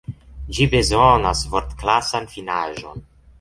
Ĝi bezonas vortklasan finaĵon.